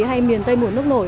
hay miền tây mùa nước nổi